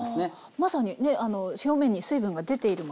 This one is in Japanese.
まさにね表面に水分が出ているもの